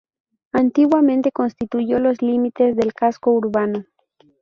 Antiguamente constituyó los límites del casco urbano.